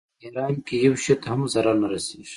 په احرام کې یو شي ته هم ضرر نه رسېږي.